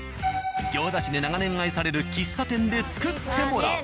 行田市で長年愛される喫茶店で作ってもらう。